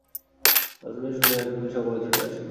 রাজমহিষী ছুটিয়া আসিলেন, সকলে ছুটিয়া আসিল।